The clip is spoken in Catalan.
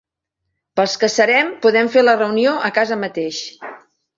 Pels que serem, podem fer la reunió a casa mateix.